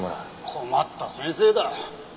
困った先生だ。